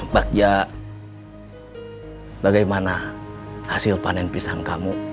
pak ya bagaimana hasil panen pisang kamu